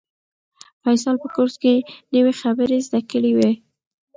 فیصل په کورس کې نوې خبرې زده کړې وې.